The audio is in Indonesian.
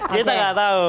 kita gak tahu